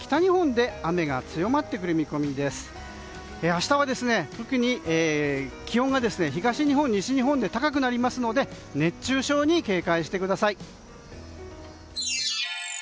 明日は特に気温が東日本、西日本で高くなりますので熱中症に警戒してください。